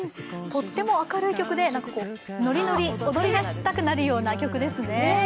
とっても明るい曲でノリノリ、踊り出したくなるような曲ですね。